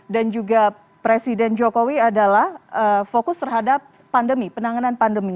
dan juga presiden jokowi adalah fokus terhadap pandemi penanganan pandemi